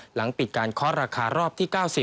หลังปิดการเคาะราคารอบที่๙๐